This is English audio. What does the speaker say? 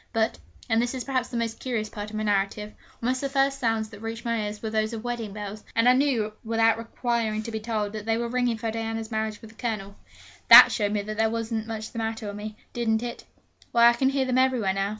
But and this is perhaps the most curious part of my narrative almost the first sounds that reached my ears were those of wedding bells; and I knew, without requiring to be told, that they were ringing for Diana's marriage with the Colonel. That showed there wasn't much the matter with me, didn't it? Why, I can hear them everywhere now.